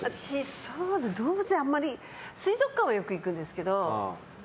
あんまり水族館はよく行くんですけど。